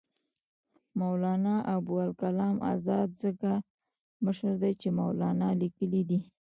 مولنا ابوالکلام آزاد ځکه مشر دی چې مولنا لیکلی دی.